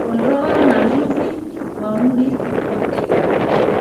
Kondoo na mbuzi wa umri wote